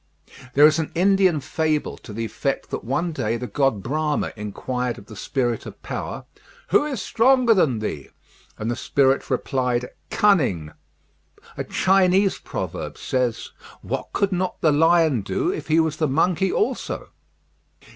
There is an Indian fable to the effect that one day the god Brahma inquired of the Spirit of Power, "Who is stronger than thee?" and the spirit replied "Cunning." A Chinese proverb says, "What could not the lion do, if he was the monkey also?"